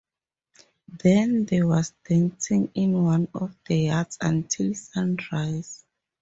Then there was dancing in one of the yards until sunrise.